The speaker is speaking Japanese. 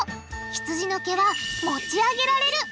ひつじの毛は持ち上げられる。